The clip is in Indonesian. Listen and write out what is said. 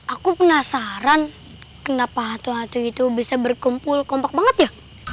aku penasaran kenapa hatu hatu itu bisa berkumpul kompak banget ya